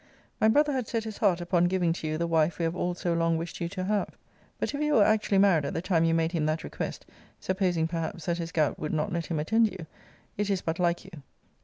My brother had set his heart upon giving to you the wife we have all so long wished you to have. But if you were actually married at the time you made him that request (supposing, perhaps, that his gout would not let him attend you) it is but like you.